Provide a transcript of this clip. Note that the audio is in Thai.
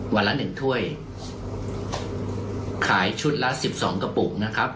วันละหนึ่งถ้วยขายชุดละสิบสองกระปุกนะครับ